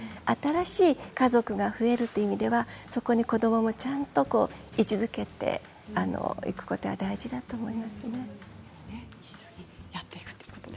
新しい家族が増えるという意味では、そこに子どももちゃんと位置づけていくことは大事だと思いますね。